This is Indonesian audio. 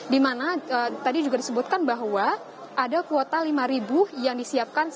dimana tadi juga disebutkan bahwa ada kuota lima yang disiapkan